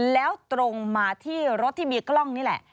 แล้วตรงมาที่รถที่มีกล้องนี่แหละ